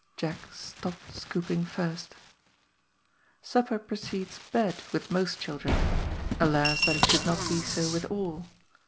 Jack stopped scooping first Supper precedes bed with most children — alas, that it should not be so with all